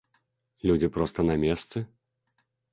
Людзі проста на месцы.